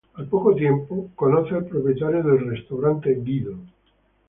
Al poco tiempo, conoce al propietario del restaurante, Guido.